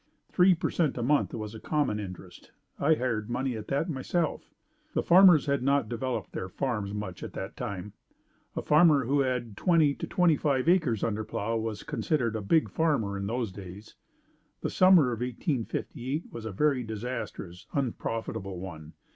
Three per cent a month was a common interest. I hired money at that myself. The farmers had not developed their farms much at that time. A farmer who had twenty to twenty five acres under plow was considered a big farmer in those days. The summer of 1858 was a very disastrous, unprofitable one.